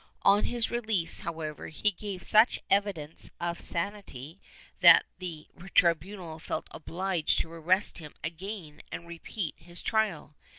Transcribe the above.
On his release, however, he gave such evidence of sanity that the tribunal felt obliged to arrest him again and repeat his trial.